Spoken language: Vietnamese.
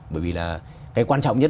bởi vì là cái quan trọng nhất